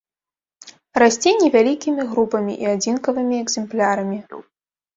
Расце невялікімі групамі і адзінкавымі экземплярамі.